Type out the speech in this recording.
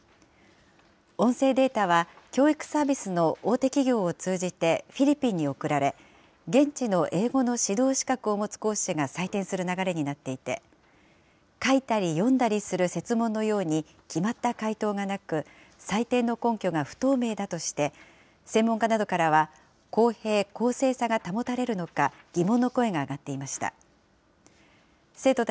音声データは教育サービスの大手企業を通じて、フィリピンに送られ、現地の英語の指導資格を持つ講師が採点する流れになっていて、書いたり読んだりする設問のように決まった解答がなく、採点の根拠が不透明だとして、専門家などからは、公平・公正さが保たれるのか、疑問の声が上がっていました。